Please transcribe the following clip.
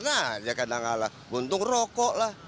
nah dia kadang kadang buntung rokok lah